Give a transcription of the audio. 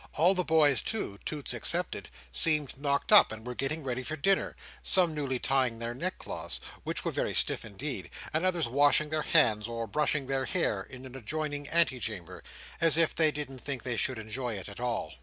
All the boys too (Toots excepted) seemed knocked up, and were getting ready for dinner—some newly tying their neckcloths, which were very stiff indeed; and others washing their hands or brushing their hair, in an adjoining ante chamber—as if they didn't think they should enjoy it at all.